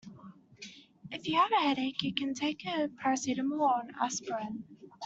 If you have a headache, you can take a paracetamol or an aspirin